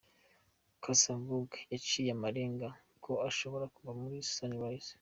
Cassa Mbungo yaciye amarenga ko ashobora kuva muri Sunrise.